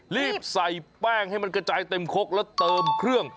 รีบใส่แป้งให้มันกระจายเต็มคกแล้วเติมเครื่อง